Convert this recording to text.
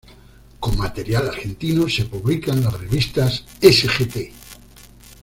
Con material argentino, se publican las revistas Sgt.